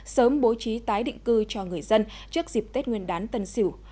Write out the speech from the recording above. sớm bố trí tái định cư cho người dân trước dịp tết nguyên đán tân sỉu